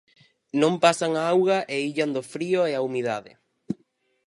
Non pasan a auga e illan do frío e a humidade.